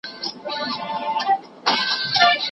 پښتو ژبه باندي خپل کتابونه ولیکه.